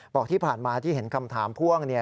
บอกที่ผ่านมาที่เห็นคำถามพ่วง